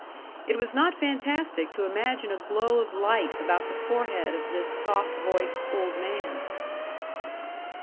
It was not fantastic to imagine a glow of light about the forehead of this soft voiced old man!